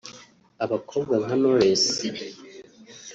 Abakobwa nka Knowless